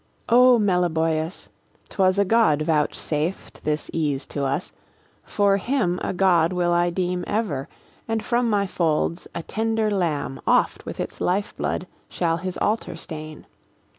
TITYRUS O Meliboeus, 'twas a god vouchsafed This ease to us, for him a god will I Deem ever, and from my folds a tender lamb Oft with its life blood shall his altar stain.